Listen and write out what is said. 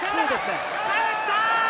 返した！